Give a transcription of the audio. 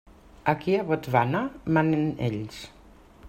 Aquí, a Botswana, manen ells.